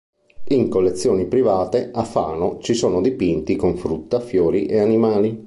In collezioni private, a Fano, ci sono dipinti con frutta, fiori e animali.